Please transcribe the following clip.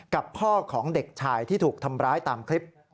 กับพ่อของเด็กชายที่ถูกทำร้ายตามคลิป